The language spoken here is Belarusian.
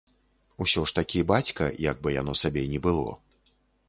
Усё ж такі бацька, як бы яно сабе ні было.